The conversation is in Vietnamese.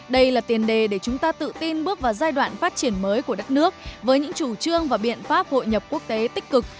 đây là tiền đề để chúng ta tự tin bước vào giai đoạn phát triển mới của đất nước với những chủ trương và biện pháp hội nhập quốc tế tích cực